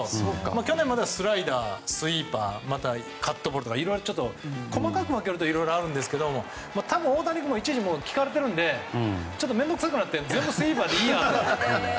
去年は、まだスライダースイーパーまたはカットボールとか細かく分けるといろいろありますが大谷君もいちいち聞かれているので面倒くさくなって全部スイーパーでいいやって。